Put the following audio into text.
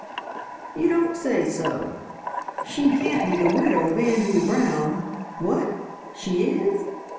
"You don't say so! She can't be the widow of Andrew Brown? What! She is?